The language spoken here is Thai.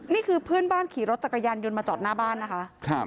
นี่คือเพื่อนบ้านขี่รถจักรยานยนต์มาจอดหน้าบ้านนะคะ